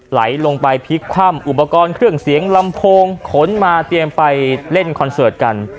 ไหลลงไปพลิกคว่ำอุปกรณ์เครื่องเสียงลำโพงขนมาเตรียมไปเล่นคอนเสิร์ตกัน